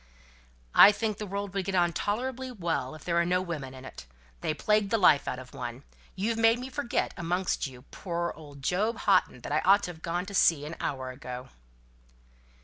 "I think the world would get on tolerably well, if there were no women in it. They plague the life out of one. You've made me forget, amongst you poor old Job Houghton that I ought to have gone to see an hour ago."